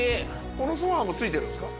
このソファも付いてるんですか？